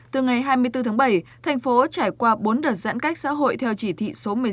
từ ngày hai mươi bốn tháng bảy thành phố trải qua bốn đợt giãn cách xã hội theo chỉ thị số một mươi sáu